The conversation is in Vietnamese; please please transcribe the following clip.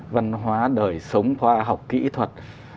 văn hóa đời sống khoa học kỹ thuật